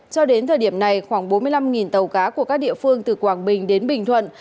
cho đến thời điểm này khoảng bốn mươi năm tàu cá của các địa phương từ quảng bình đến bình thuận